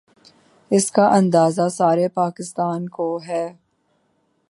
، اس کا اندازہ سارے پاکستان کو ہے۔